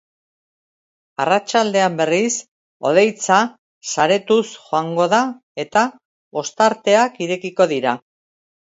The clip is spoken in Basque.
Arratsaldean, berriz, hodeitza saretuz joango da eta ostarteak irekiko dira.